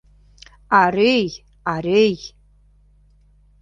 Арӧй, арӧй...